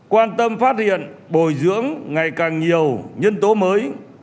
quan tâm phát hiện bồi dưỡng ngày càng nhiều nhân tố mới